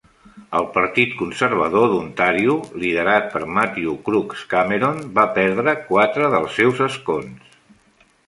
El Partit Conservador d'Ontàrio, liderat per Matthew Crooks Cameron, va perdre quatre dels seus escons.